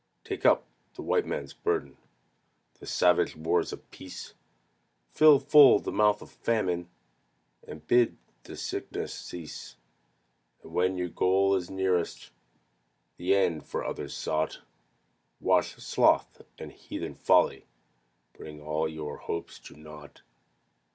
Take up the White Man's burden The savage wars of peace Fill full the mouth of Famine And bid the sickness cease; And when your goal is nearest The end for others sought, Watch Sloth and heathen Folly Bring all your hope to naught.